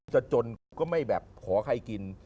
จนก็ไม่แบบขอใครกิน